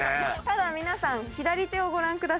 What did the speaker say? ただ皆さん左手をご覧ください。